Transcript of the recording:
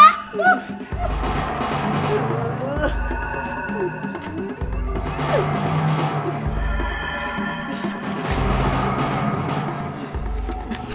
aku tidak mau